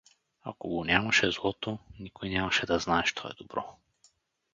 Ако го нямаше злото, никой нямаше да знае що е добро.